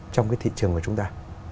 trong cái thị trường của chúng ta